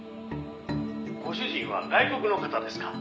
「ご主人は外国の方ですか？」